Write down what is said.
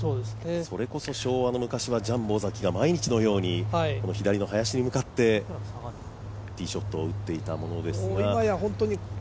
それこそ昭和の昔はジャンボ尾崎が毎日のように左の林に向けてティーショットを打っていたものですが。